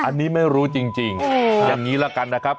อันนี้ไม่รู้จริงอย่างนี้ละกันนะครับ